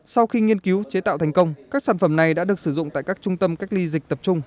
sau khi nghiên cứu chế tạo thành công các sản phẩm này đã được sử dụng tại các trung tâm cách ly dịch tập trung